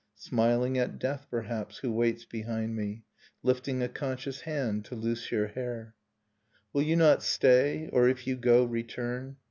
Smiling at death, perhaps, who waits behind me, Lifting a conscious hand to loose your hair. Will you not stay, or, if you go, return?